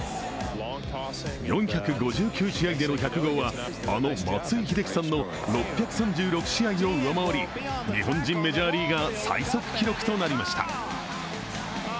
４５９試合での１００号はあの松井秀喜さんの６３６試合を上回り日本人メジャーリーガー最速記録となりました。